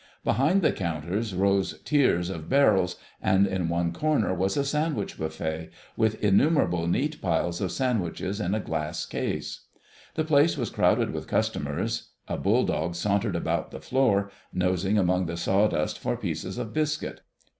Behind the counters rose tiers of barrels, and in one corner was a sandwich buffet, with innumerable neat piles of sandwiches in a glass case. The place was crowded with customers: a bull dog sauntered about the floor, nosing among the sawdust for pieces of biscuit.